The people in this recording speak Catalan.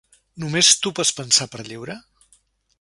Només tu pots pensar per lliure?